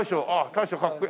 大将かっこいい。